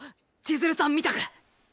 千鶴さんみたく。